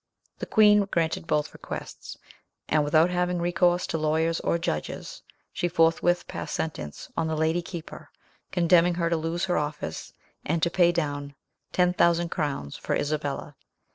The queen granted both requests, and without having recourse to lawyers or judges, she forthwith passed sentence on the lady keeper, condemning her to lose her office, and to pay down ten thousand crowns for Isabella.